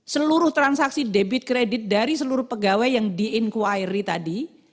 seluruh transaksi debit kredit dari seluruh pegawai yang di inquiry tadi